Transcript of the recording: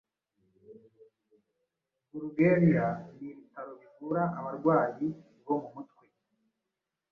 Bulgaria nibitaro bivura abarwayi bomumutwe